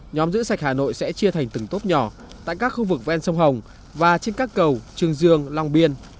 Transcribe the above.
nhóm giữ sạch hà nội sẽ chia thành từng tốp nhỏ tại các khu vực ven sông hồng và trên các cầu trương dương long biên